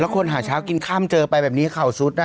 แล้วคนหาเช้ากินข้ามเจอไปแบบนี้เขาสุดน่ะ